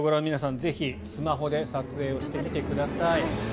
ぜひ、スマホで撮影してみてください。